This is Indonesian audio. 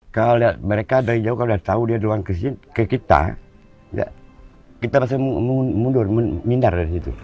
kalau lihat mereka dari jauh kalau lihat tahu dia duluan ke kita kita pasti mundur mindar dari situ